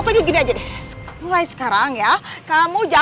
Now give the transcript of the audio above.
tante ngajarin kamu